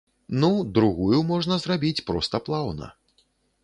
Ну, другую можна зрабіць проста плаўна.